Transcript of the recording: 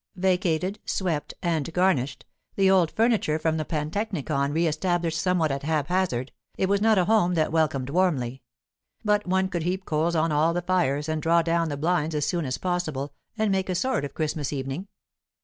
Vacated, swept, and garnished, the old furniture from the Pantechnicon re established somewhat at haphazard, it was not a home that welcomed warmly; but one could heap coals on all the fires, and draw down the blinds as soon as possible, and make a sort of Christmas evening.